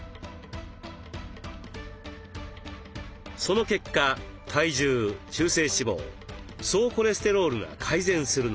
その結果体重中性脂肪総コレステロールが改善するのです。